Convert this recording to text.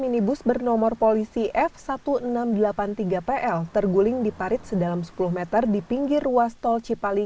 minibus bernomor polisi f seribu enam ratus delapan puluh tiga pl terguling di parit sedalam sepuluh meter di pinggir ruas tol cipali